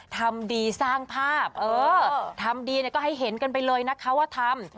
ทำดีสร้างภาพเออทำดีก็ให้เห็นกันไปเลยนะคะว่าทำ